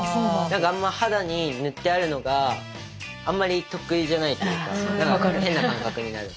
何かあんま肌に塗ってあるのがあんまり得意じゃないというか変な感覚になる。